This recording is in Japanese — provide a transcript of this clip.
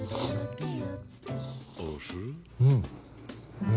うん。